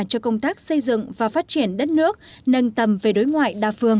cho công tác xây dựng và phát triển đất nước nâng tầm về đối ngoại đa phương